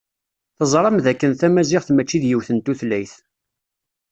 Teẓram d akken Tamaziɣt mačči d yiwet n tutlayt.